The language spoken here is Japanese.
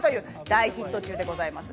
大ヒット中です。